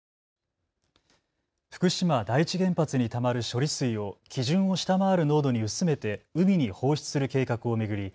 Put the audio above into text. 福島第一原発にたまる処理水を基準を下回る濃度に薄めて海に放出する計画を巡り